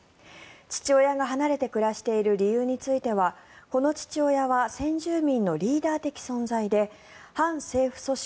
父親が離れて暮らしている理由についてはこの父親は先住民のリーダー的存在で反政府組織